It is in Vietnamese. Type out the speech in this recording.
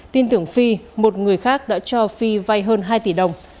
tin tưởng phi một người khác đã cho phi vay hơn hai tỷ đồng